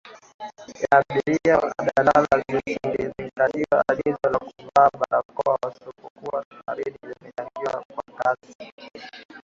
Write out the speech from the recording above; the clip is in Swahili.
ya abiria wa daladala kutozingatia agizo la kuvaa barakoa wanapokuwa safarini limechangiwa kwa kiasi